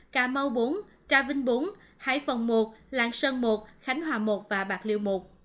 cà mau bốn trà vinh bốn hải phòng một lạng sơn một khánh hòa một và bạc liêu một